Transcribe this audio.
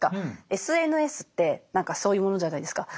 ＳＮＳって何かそういうものじゃないですか。